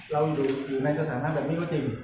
เราอยู่ในสถานะแบบนี้ก็จริง